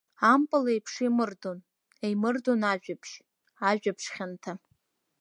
Ампыл еиԥш еимырдон, еимырдон ажәабжь, ажәабжь хьанҭа.